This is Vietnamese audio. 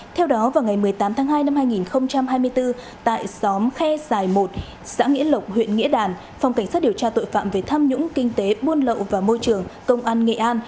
theo đó vào ngày một mươi tám tháng hai năm hai nghìn hai mươi bốn tại xóm khe sài một xã nghĩa lộc huyện nghĩa đàn phòng cảnh sát điều tra tội phạm về tham nhũng kinh tế bộ công an nghĩa an